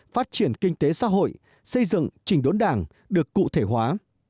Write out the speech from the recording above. phát triển kinh tế xã hội xây dựng trình đốn đảng được cụ thể hóa